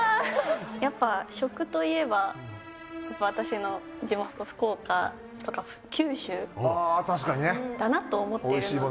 やっぱ食といえば私の地元福岡とか九州だなと思っているので。